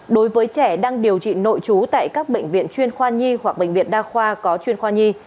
đối với trẻ đang điều trị nội trú tại các bệnh viện chuyên khoa nhi hoặc bệnh viện đa khoa có chuyên khoa nhi